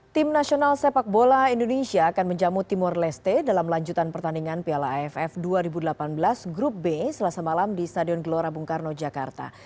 tim nasional sepak bola indonesia akan menjamu timor leste dalam lanjutan pertandingan piala aff dua ribu delapan belas grup b selasa malam di stadion gelora bung karno jakarta